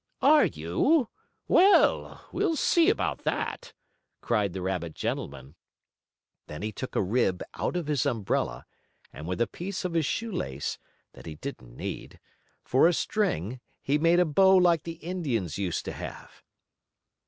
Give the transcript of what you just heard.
"Are you? Well, we'll see about that!" cried the rabbit gentleman. Then he took a rib out of his umbrella, and with a piece of his shoe lace (that he didn't need) for a string he made a bow like the Indians used to have.